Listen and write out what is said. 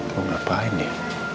kok ngapain ya